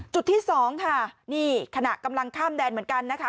จุดที่สองค่ะนี่ขณะกำลังข้ามแดนเหมือนกันนะคะ